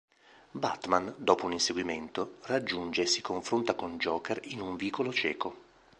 Batman, dopo un inseguimento, raggiunge e si confronta con Joker in un vicolo cieco.